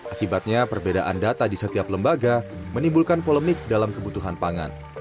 akibatnya perbedaan data di setiap lembaga menimbulkan polemik dalam kebutuhan pangan